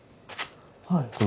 はい。